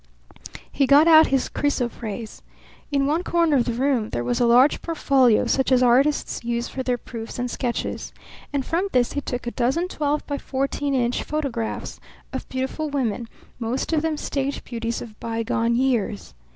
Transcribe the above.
He got out his chrysoprase. In one corner of the room there was a large portfolio such as artists use for their proofs and sketches; and from this he took a dozen twelve by fourteen inch photographs of beautiful women, most of them stage beauties of bygone years.